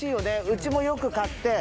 うちもよく買って。